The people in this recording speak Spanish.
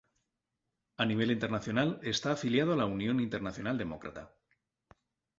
A nivel internacional, está afiliado a la Unión Internacional Demócrata.